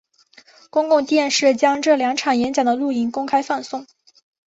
公共电视将这两场演讲的录影公开放送。